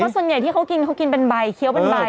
ส่วนใหญ่ที่เขากินเขากินเป็นใบเคี้ยวเป็นใบ